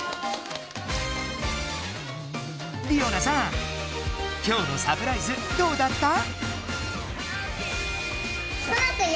りおなさんきょうのサプライズどうだった？